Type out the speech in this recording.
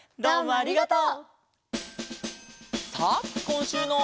ありがとう！